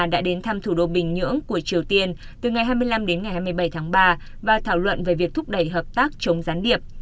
đã đến thăm thủ đô bình nhưỡng của triều tiên từ ngày hai mươi năm đến ngày hai mươi bảy tháng ba và thảo luận về việc thúc đẩy hợp tác chống gián điệp